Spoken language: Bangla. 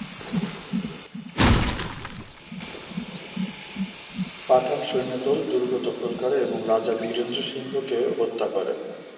পাঠান সৈন্যদল দুর্গ দখল করে এবং রাজা বীরেন্দ্র সিংহকে হত্যা করে।